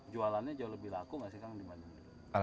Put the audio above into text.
jualannya jauh lebih laku gak sih kang